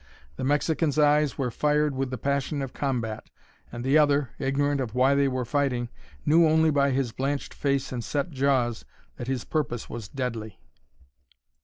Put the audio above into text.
The Mexican's eyes were fired with the passion of combat, and the other, ignorant of why they were fighting, knew only, by his blanched face and set jaws, that his purpose was deadly.